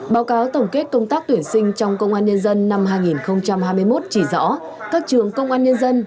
báo cáo tổng kết công tác tuyển sinh trong công an nhân dân năm hai nghìn hai mươi một chỉ rõ các trường công an nhân dân